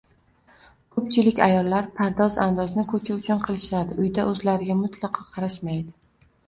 Ko‘pchilik ayollar pardoz-andozni ko‘cha uchun qilishadi, uyda o‘zlariga mutlaqo qarashmaydi.